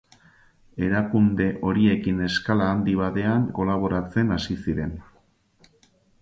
Erakunde horiekin eskala handi batean kolaboratzen hasi ziren.